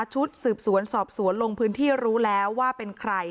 ชุดสืบสวนสอบสวนลงพื้นที่รู้แล้วว่าเป็นใคร